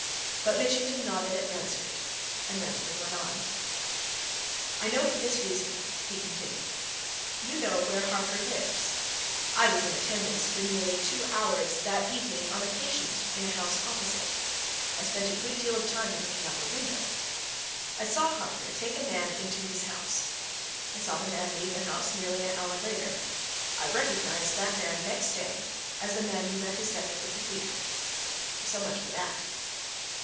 But Mitchington nodded at Ransford, and Ransford went on. "I know this for this reason," he continued. "You know where Harker lives. I was in attendance for nearly two hours that evening on a patient in a house opposite I spent a good deal of time in looking out of the window. I saw Harker take a man into his house: I saw the man leave the house nearly an hour later: I recognized that man next day as the man who met his death at the Cathedral. So much for that."